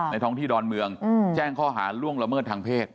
ท้องที่ดอนเมืองแจ้งข้อหาล่วงละเมิดทางเพศ